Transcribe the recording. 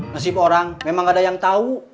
nasib orang memang ada yang tahu